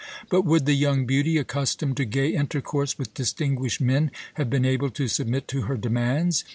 But would the young beauty, accustomed to gay intercourse with distinguished men, have been able to submit to her demands?